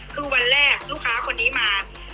คือวันแรกลูกค้าคนนี้มา